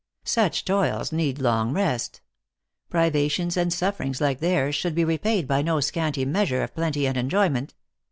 Such toils need long rest. Privations and sufferings like theirs should be repaid by no scanty measure of plenty and enjoyment.